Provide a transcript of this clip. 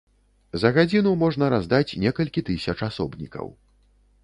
За гадзіну можна раздаць некалькі тысяч асобнікаў.